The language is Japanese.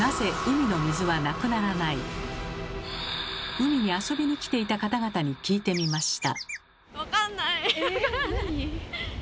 海に遊びに来ていた方々に聞いてみました。